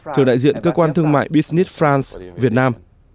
trưởng đại diện cơ quan thương mại business france việt nam